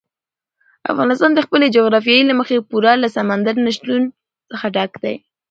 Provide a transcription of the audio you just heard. افغانستان د خپلې جغرافیې له مخې پوره له سمندر نه شتون څخه ډک دی.